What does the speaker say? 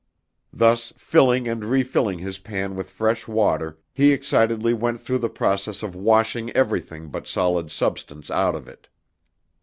Thus, filling and refilling his pan with fresh water, he excitedly went through the process of "washing" everything but solid substance out of it.